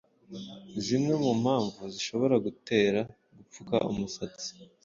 Zimwe mu mpamvu zishobora gutera gupfuka umusatsi